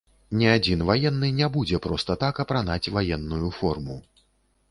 Ні адзін ваенны не будзе проста так апранаць ваенную форму.